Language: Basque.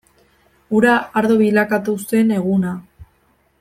Ura ardo bilakatu zen eguna.